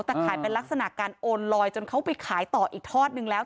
แต่ขายเป็นลักษณะการโอนลอยจนเขาไปขายต่ออีกทอดนึงแล้ว